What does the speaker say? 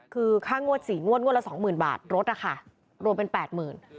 คือค่างวด๔งวดงวดละสองหมื่นบาทรถนะคะรวมเป็น๘๐๐๐บาท